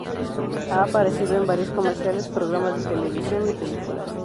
Ha aparecido en varios comerciales, programas de televisión y películas.